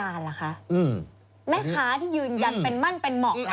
แม่ข้าที่ยืนยันเป็นมั่นเป็นเหมาะ